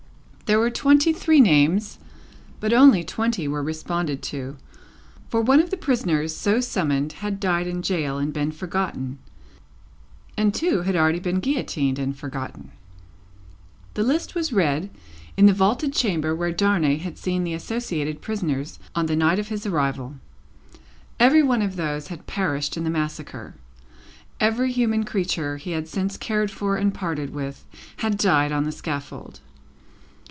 There were twenty three names, but only twenty were responded to; for one of the prisoners so summoned had died in gaol and been forgotten, and two had already been guillotined and forgotten. The list was read, in the vaulted chamber where Darnay had seen the associated prisoners on the night of his arrival. Every one of those had perished in the massacre; every human creature he had since cared for and parted with, had died on the scaffold.